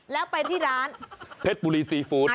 แล้วไปที่ร้านเพชรบุรีซีฟู้ด